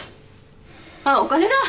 あっお金だ。